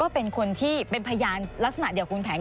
เป็นคนที่เป็นพยานลักษณะเดียวคุณแผน